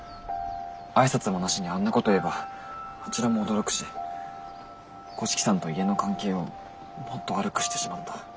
挨拶もなしにあんなこと言えばあちらも驚くし五色さんと家の関係をもっと悪くしてしまった。